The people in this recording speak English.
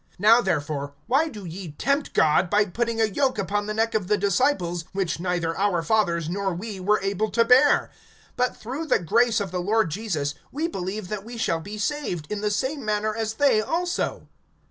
(10)Now therefore why do ye tempt God, by putting a yoke upon the neck of the disciples, which neither our fathers nor we were able to bear? (11)But, through the grace of the Lord Jesus, we believe that we shall be saved, in the same manner as they also.